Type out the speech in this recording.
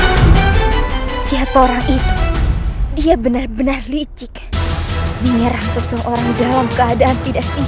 hai siapa orang itu dia benar benar licik menyerah seseorang dalam keadaan tidak siap